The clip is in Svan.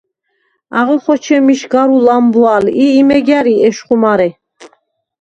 აღო ხოჩემიშგარუ ლამბვალ ი, იმეგ ა̈რი ეშხუ მარე.